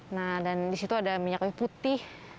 nah dan di situ ada minyak kayu putih